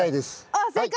あっ正解？